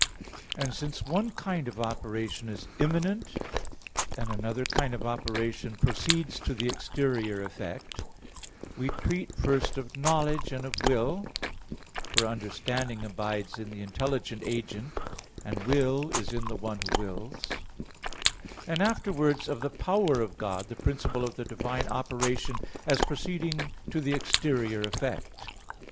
And since one kind of operation is immanent, and another kind of operation proceeds to the exterior effect, we treat first of knowledge and of will (for understanding abides in the intelligent agent, and will is in the one who wills); and afterwards of the power of God, the principle of the divine operation as proceeding to the exterior effect.